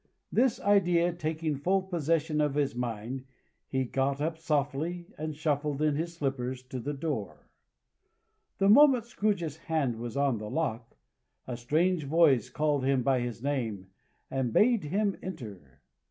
This idea taking full possession of his mind, he got up softly and shuffled in his slippers to the door. The moment Scrooge's hand was on the lock, a strange voice called him by his name, and bade him enter.